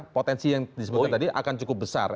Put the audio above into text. potensi yang disebutkan tadi akan cukup besar